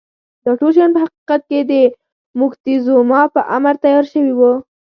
دا ټول شیان په حقیقت کې د موکتیزوما په امر تیار شوي وو.